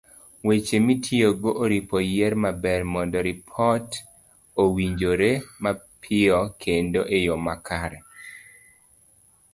Weche mitiyogo oripo yier maber, mondo ripot owinjore mapiyo kendo eyo makare.